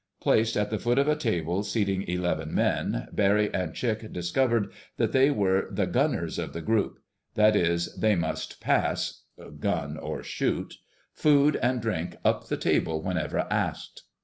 Placed at the foot of a table seating eleven men, Barry and Chick discovered that they were the "gunners" of the group. That is, they must pass—"gun" or "shoot"—food and drink up the table whenever asked.